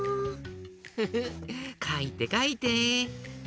フフッかいてかいて。